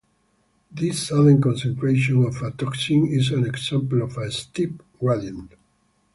This sudden concentration of a toxin is an example of a "steep gradient".